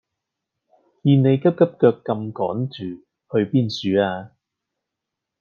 見你急急腳咁趕住去邊處呀